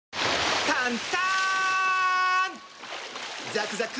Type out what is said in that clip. ザクザク！